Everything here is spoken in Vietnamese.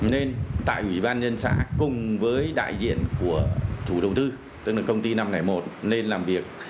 nên tại ủy ban nhân xã cùng với đại diện của chủ đầu tư tức là công ty năm trăm linh một lên làm việc